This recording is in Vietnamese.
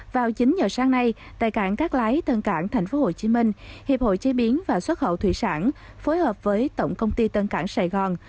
vào chín giờ sáng nay tại cảng cát lái tân cảng tp hcm hiệp hội chế biến và xuất khẩu thủy sản phối hợp với tổng công ty tân cảng sài gòn